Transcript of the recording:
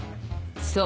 そう。